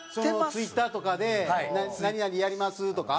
ツイッターとかで「何々やります」とか？